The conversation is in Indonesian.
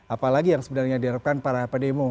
apalagi yang sebenarnya diharapkan para pendemo